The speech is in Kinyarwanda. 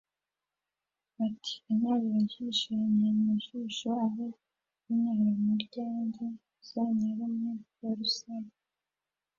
bati: Kanyarirajisho kanyaye mu jisho, aho kunyara mu ryanjye uzanyare mu rya rusake